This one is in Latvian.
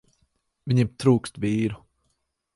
Viņiem trūkst vīru.